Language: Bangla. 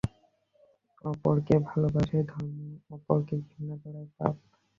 অপরকে ভালবাসাই ধর্ম, অপরকে ঘৃণা করাই পাপ।